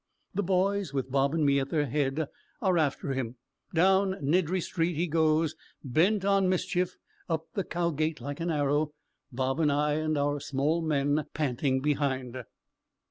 The boys, with Bob and me at their head, are after him: down Niddry Street he goes, bent on mischief; up the Cowgate like an arrow Bob and I, and our small men, panting behind.